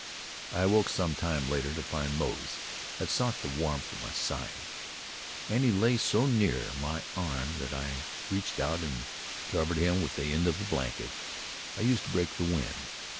I awoke sometime later to find Moze had sought the warmth of my side, and he lay so near my arm that I reached out and covered him with an end of the blanket I used to break the wind.